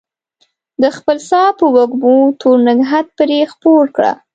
د خپل ساه په وږمو تور نګهت پرې خپور کړه